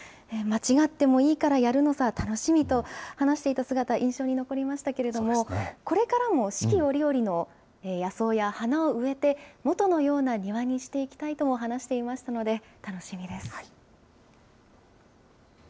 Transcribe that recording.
間違ってもいいからやるのさ、楽しみと話していた姿、印象に残りましたけれども、これからも四季折々の野草や花を植えて、元のような庭にしていきたいとも話していましたので、楽しみです。